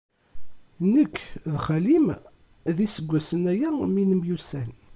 Nekk d xali-m, d iseggasen-aya mi nemyussan.